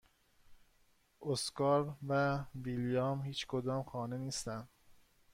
اسکار و ویلیام هیچکدام خانه نیستند.